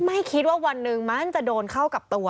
ไม่คิดว่าวันหนึ่งมันจะโดนเข้ากับตัว